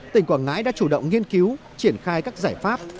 tỉnh quảng ngãi đã chủ động nghiên cứu triển khai các giải pháp